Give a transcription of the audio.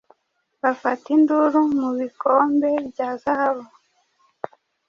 Bafata induru mu bikombe bya zahabu,